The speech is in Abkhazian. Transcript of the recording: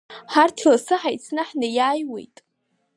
Ҳарҭ лассы ҳаицны ҳнеиааиуеит.